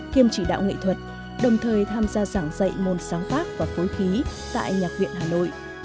kiêm chỉ đạo nghệ thuật đồng thời tham gia giảng dạy môn sáng tác và phối khí tại nhạc viện hà nội